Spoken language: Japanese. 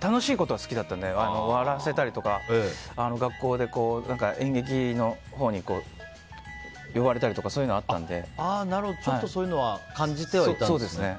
楽しいことは好きだったので笑わせたりとか、学校で演劇のほうに呼ばれたりとかそういうのを感じてはいたんですね。